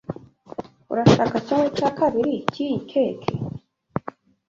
Urashaka kimwe cya kabiri cyiyi cake?